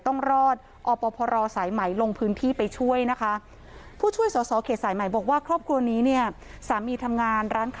ทีมงานสายไหมต้องรอด